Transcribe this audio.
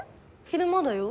昼間だよ。